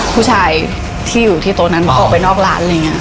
ผู้ชายที่อยู่ที่โต๊ะนั้นออกไปนอกร้านอะไรอย่างนี้